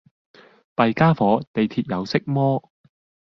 弊傢伙，地鐵有色魔